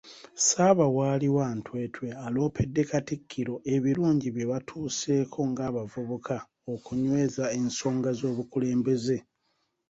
Ssaabawaali wa Ntwetwe aloopedde Katikkiro ebirungi bye batuuseeko ng'abavubuka okunyweza ensonga z'obukulembeze.